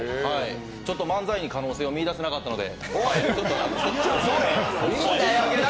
ちょっと漫才に可能性を見いだせなかったんで。